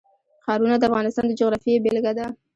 ښارونه د افغانستان د جغرافیې بېلګه ده.